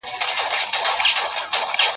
يو ښار دوه نرخه.